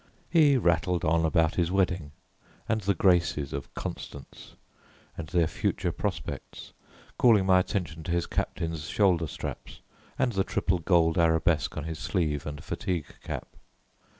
He rattled on about his wedding and the graces of Constance, and their future prospects, calling my attention to his captain's shoulder straps, and the triple gold arabesque on his sleeve and fatigue cap.